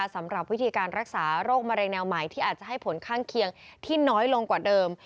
สำหรับวิธีการรักษาโรคมะเร็งแนวใหม่ที่อาจจะให้ผลข้างเคียงที่น้อยลงกว่าเดิม